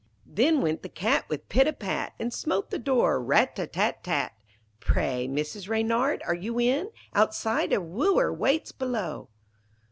'Then went the Cat with pit a pat And smote the door, rat tata tat! "Pray, Mrs. Reynard, are you in? Outside a wooer waits below!"'